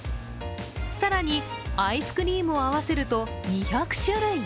更にアイスクリームを合わせると２００種類。